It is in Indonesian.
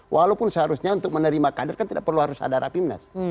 walaupun seharusnya untuk menerima kader kan tidak perlu harus ada rapimnas